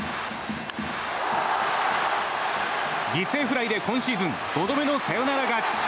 犠牲フライで今シーズン５度目のサヨナラ勝ち。